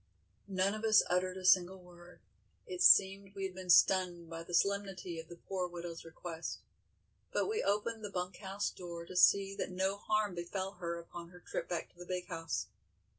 None of us uttered a single word, it seemed we had been stunned by the solemnity of the poor widow's request, but we opened the bunk house door to see that no harm befell her upon her trip back to the "big" house.